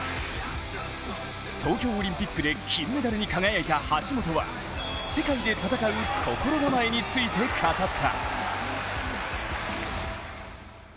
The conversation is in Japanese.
東京オリンピックで金メダルに輝いた橋本は、世界で戦う心構えについて語った。